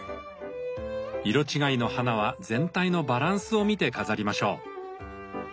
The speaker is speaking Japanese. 色違いの花は全体のバランスを見て飾りましょう。